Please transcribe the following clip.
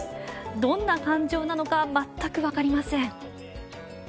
どんな感情なのか全く分かりません。